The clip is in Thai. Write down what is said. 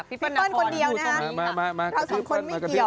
เปิ้ลเปิ้ลคนเดียวนะคะเราสองคนไม่เกี่ยว